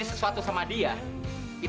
sesuai durum vainin